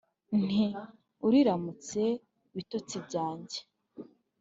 nti : uriramutse bitotsi byanjye